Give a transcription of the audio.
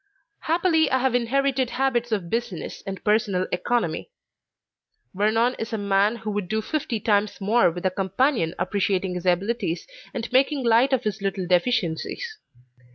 Happily I have inherited habits of business and personal economy. Vernon is a man who would do fifty times more with a companion appreciating his abilities and making light of his little deficiencies.